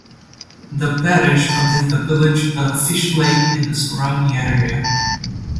The parish contains the village of Fishlake and the surrounding area.